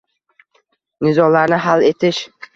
Nizolarni hal etish